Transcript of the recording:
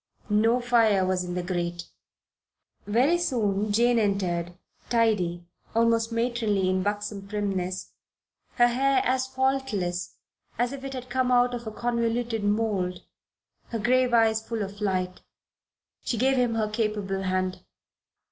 No fire was in the grate. Very soon Jane entered, tidy, almost matronly in buxom primness, her hair as faultless as if it had come out of a convoluted mould, her grave eyes full of light. She gave him her capable hand.